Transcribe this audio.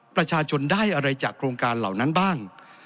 ประชาชนได้อะไรจากโครงการเหล่านั้นบ้าง